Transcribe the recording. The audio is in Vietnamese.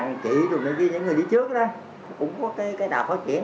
con thấy là một đàn chị những người đi trước cũng có cái đạo phát triển